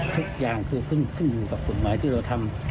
ทุกอย่างคือขึ้นอยู่กับกฎหมายที่เราทำ